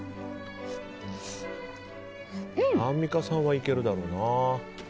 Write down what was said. アンミカさんはいけるだろうな。